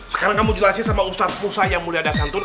sekarang kamu jelasin sama ustadz musa yang mulia dasantur